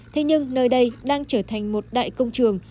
thế nhưng nơi đây đang trở thành một đại công trường